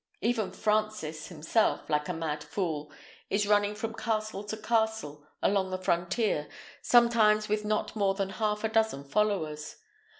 Even Francis himself, like a mad fool, is running from castle to castle, along the frontier, sometimes with not more than half a dozen followers.